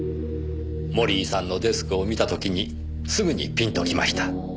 森井さんのデスクを見た時にすぐにピンときました。